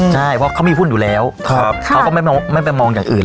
ใช่เพราะเขามีหุ้นอยู่แล้วเขาก็ไม่ไปมองอย่างอื่น